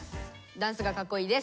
ダンスがかっこいいです。